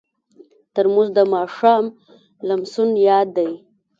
ترموز د ماښام لمسون یاد دی.